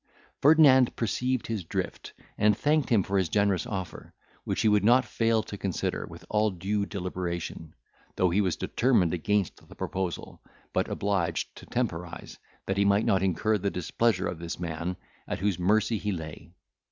Ferdinand perceived his drift, and thanked him for his generous offer, which he would not fail to consider with all due deliberation; though he was determined against the proposal, but obliged to temporise, that he might not incur the displeasure of this man, at whose mercy he lay.